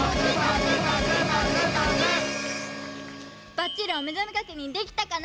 ばっちりおめざめ確認できたかな？